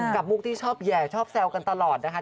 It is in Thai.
มุกที่ชอบแห่ชอบแซวกันตลอดนะคะ